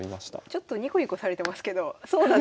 ちょっとニコニコされてますけどそうなんですか？